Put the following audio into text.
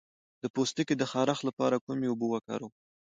د پوستکي د خارښ لپاره کومې اوبه وکاروم؟